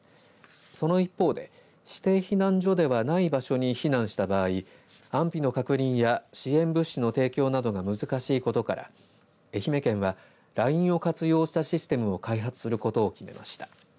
その一方で指定避難所ではない場所に避難した場合安否の確認や支援物資の提供などが難しいことから愛媛県はＬＩＮＥを活用したシステムを開発することを決めました。